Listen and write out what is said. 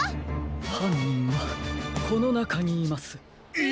はんにんはこのなかにいます。え！？